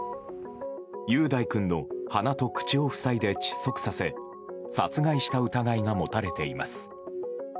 雄大君の鼻と口を塞いで窒息させ殺害した疑いが持たれています。